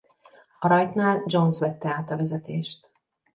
A rajtnál Jones vette át a vezetést.